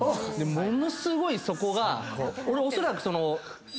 ものすごいそこが俺おそらく。